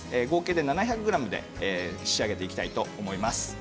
合計で７００ｇで仕上げていきたいと思います。